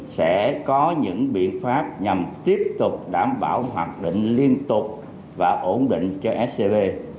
sẽ có những biện pháp nhằm tiếp tục đảm bảo hoạt động liên tục và ổn định cho scb